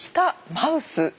マウス？